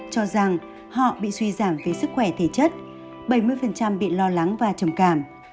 cho rằng họ bị suy giảm về sức khỏe thể chất bảy mươi bị lo lắng và trầm cảm